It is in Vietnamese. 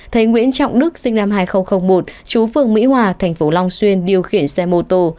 thấy nguyễn trọng đức sinh năm hai nghìn một chú phường mỹ hòa thành phố long xuyên điều khiển xe mô tô